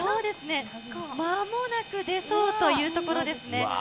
まもなく出そうというところですね。